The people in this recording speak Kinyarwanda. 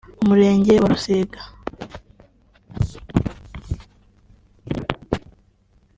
Umurenge wa Rusiga